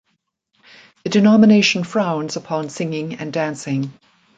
The denomination frowns upon singing and dancing.